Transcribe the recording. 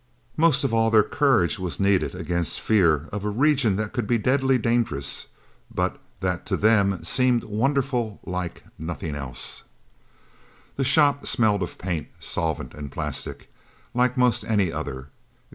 Most of all, their courage was needed against fear of a region that could be deadly dangerous, but that to them seemed wonderful like nothing else. The shop smelled of paint, solvent and plastic, like most any other.